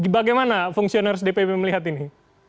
bagaimana fungsionaris dpp melihat ini